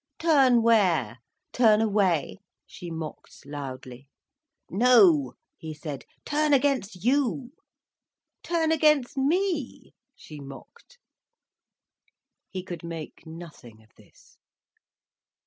"Turn where? Turn away?" she mocked loudly. "No," he said, "turn against you." "Turn against me?" she mocked. He could make nothing of this.